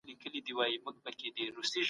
سود خوړل په اسلام کي لویه ګناه ده.